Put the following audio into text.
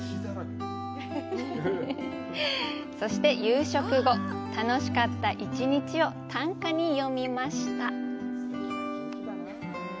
そして、夕食後、楽しかった一日を短歌に詠みました。